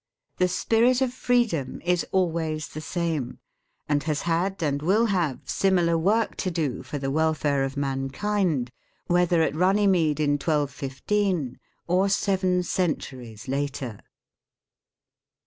The Spirit of Freedom is always the same, and has had, and will have, similar work to do for the welfare of man kind, whether at Runnymede in 1215 or seven cen turies later.